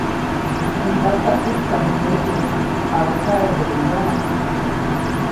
ʼÄj ndata, ʼäkpa nikeme, ʼadu kaʼebädeyaʼa.